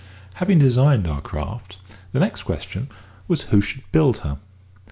Having designed our craft, the next question was, who should build her?